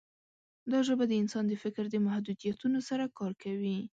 دا ژبه د انسان د فکر د محدودیتونو سره کار کوي.